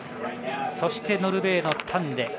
そしてノルウェーのタンデ。